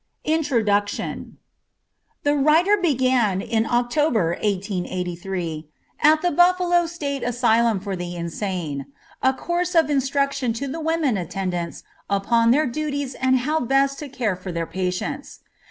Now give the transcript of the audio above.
INTRODUCTION. The writer began in October, 1883, at the Buffalo State Asylum for the Insane, a course of instruction to the women attendants upon their duties and how best to care for their patients.